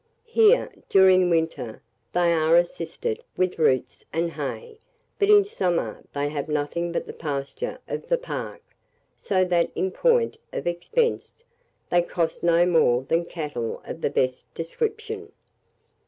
"Here, during winter, they are assisted with roots and hay, but in summer they have nothing but the pasture of the park; so that, in point of expense, they cost no more than cattle of the best description."